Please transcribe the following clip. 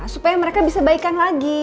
supaya mereka bisa baikan lagi